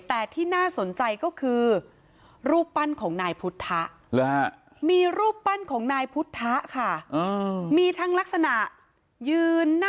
แต่ที่น่าสนใจก็คือ